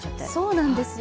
そうなんですよ